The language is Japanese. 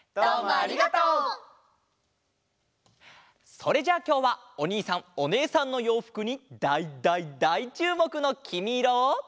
それじゃきょうはおにいさんおねえさんのようふくにだいだいだいちゅうもくの「きみイロ」を。